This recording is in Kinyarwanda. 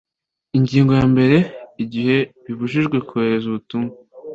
Ingingo ya mbere Igihe bibujijwe kohereza ubutumwa